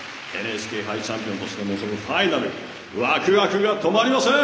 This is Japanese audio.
ＮＨＫ杯チャンピオンとして臨むファイナルワクワクが止まりません！